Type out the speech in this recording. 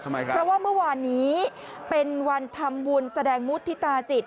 เพราะว่าเมื่อวานนี้เป็นวันทำบุญแสดงมุฒิตาจิต